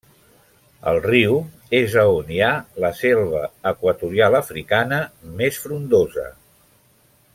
Al riu és a on hi ha la selva equatorial africana més frondosa.